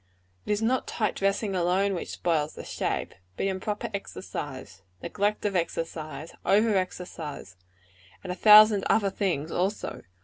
It is not tight dressing alone which spoils the shape; but improper exercise, neglect of exercise, over exercise and a thousand other things also.